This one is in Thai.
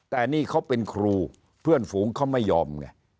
แต่นี่เขาเป็นครูเพื่อนฝูงเขาไม่ยอมไง